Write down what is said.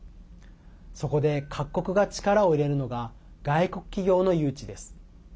そこで各国が力を入れるのが外国企業の誘致です。